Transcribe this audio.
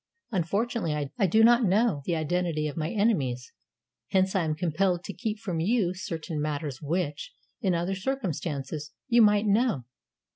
Unfortunately, I do not know the identity of my enemies; hence I am compelled to keep from you certain matters which, in other circumstances, you might know.